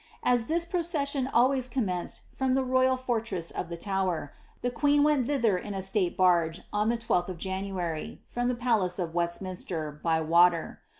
As this procession always commenced from the royal fortress of the Tower, the queen went thither in a state baige on the 12th of January, from the palace of Westminster, by water.